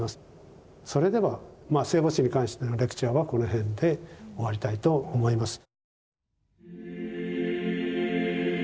それでは聖母子に関してのレクチャーはこの辺で終わりたいと思います。